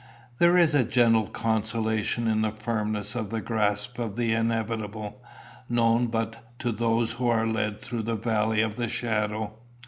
There is a gentle consolation in the firmness of the grasp of the inevitable, known but to those who are led through the valley of the shadow.